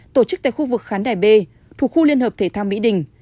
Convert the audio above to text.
tổ chức tại khu vực khán đài b thuộc khu liên hợp thể thao mỹ đình